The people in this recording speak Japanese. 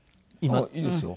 いいですよ。